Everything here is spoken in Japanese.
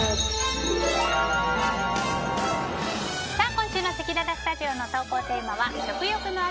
今週のせきららスタジオの投稿テーマは食欲の秋！